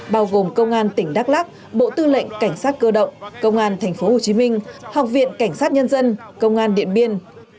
bao gồm công an tỉnh đắk lắc bộ tư lệnh cảnh sát cơ động công an tp hcm học viện cảnh sát nhân dân công an điện biên